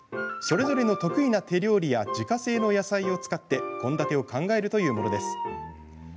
それぞれの得意な手料理や自家製の野菜を使って献立を考えるというものです。